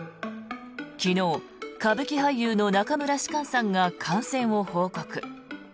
昨日、歌舞伎俳優の中村芝翫さんが感染を報告。